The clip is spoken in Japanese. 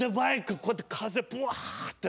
こうやって風ブァって。